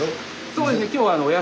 そうですね。